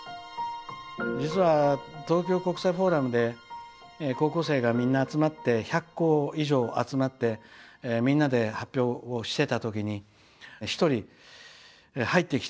実は東京国際フォーラムで高校生がみんな集まって１００校以上集まってみんなで発表をしてた時に一人入ってきて。